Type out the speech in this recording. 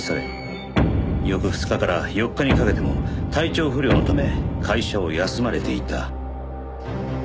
翌２日から４日にかけても体調不良のため会社を休まれていた。